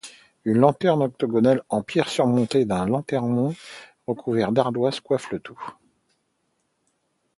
Une lanterne octogonale en pierre surmontée d'un lanternon recouvert d'ardoise coiffe le tout.